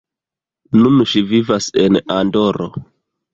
Nun ŝi vivas en Andoro.